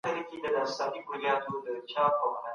خپلي پيسې په سالمو پروژو کي پانګونه کړئ.